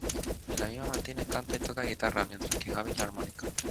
En la misma Martínez canta y toca guitarra, mientas que Gabis la armónica.